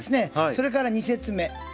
それから２節目。